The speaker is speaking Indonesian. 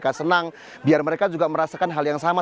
mereka senang biar mereka juga merasakan hal yang sama